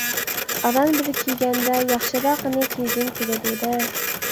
ئاران بىر كىيگەندە ياخشىراقىنى كىيگۈم كېلىدۇ-دە!